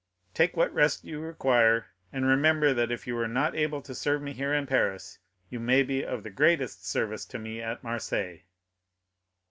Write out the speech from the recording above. "Take what rest you require, and remember that if you are not able to serve me here in Paris, you may be of the greatest service to me at Marseilles."